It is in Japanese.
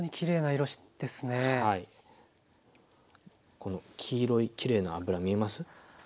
この黄色いきれいな油見えます？